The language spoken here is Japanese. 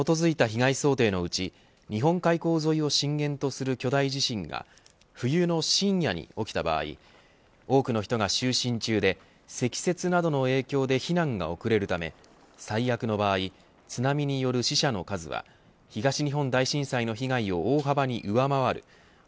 これに基づいた被害想定のうち日本海溝沿いを震源とする巨大地震が冬の深夜に起きた場合多くの人が就寝中で積雪などの影響で避難が遅れるため最悪の場合津波による死者の数は東日本大震災の被害を大幅に上回る